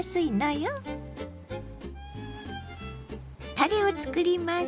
たれをつくります。